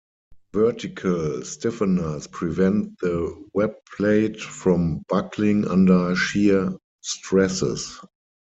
Vertical stiffeners prevent the web plate from buckling under shear stresses.